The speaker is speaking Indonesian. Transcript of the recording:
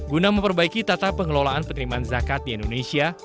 guna memperbaiki tata pengelolaan penerimaan zakat di indonesia